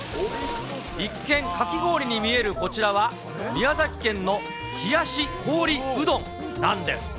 一見、かき氷に見えるこちらは、宮崎県の冷し氷うどんなんです。